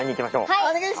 はい！